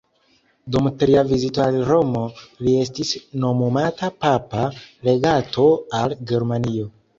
Dum tria vizito al Romo li estis nomumata papa legato al Germanio.